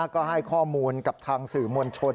ก็ให้ข้อมูลกับทางสื่อมวลชน